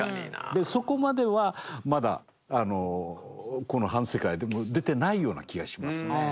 でそこまではまだこの「反世界」でも出てないような気がしますね。